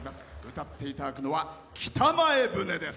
歌っていただくのは「北前船」です。